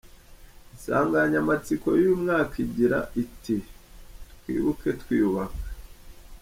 Insanganyamatsiko y’uyu mwaka igira iti “Twibuke Twiyubaka.